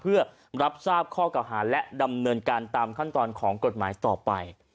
เพื่อรับทราบข้อเก่าหาและดำเนินการตามขั้นตอนของกฎหมายต่อไป